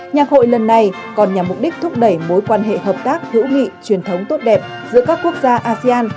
nhạc hội lần này còn nhằm mục đích thúc đẩy mối quan hệ hợp tác hữu nghị truyền thống tốt đẹp giữa các quốc gia asean